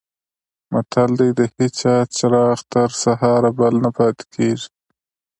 متل دی: د هېچا چراغ تر سهاره بل نه پاتې کېږي.